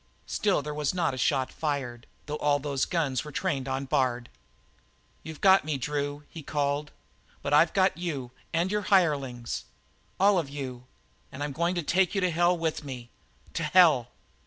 Still there was not a shot fired, though all those guns were trained on Bard. "You've got me Drew," he called, "but I've got you, and your hirelings all of you, and I'm going to take you to hell with me to hell!"